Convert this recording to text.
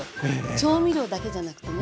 調味料だけじゃなくてね